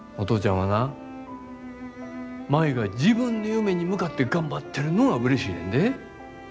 はな舞が自分の夢に向かって頑張ってるのがうれしいねんで。